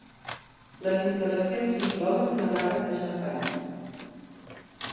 Les instal·lacions inclouen una barra de xampany.